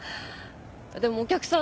でもお客さん